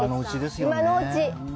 今のうち。